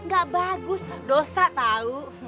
gak bagus dosa tau